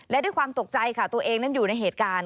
และด้วยความตกใจค่ะตัวเองนั้นอยู่ในเหตุการณ์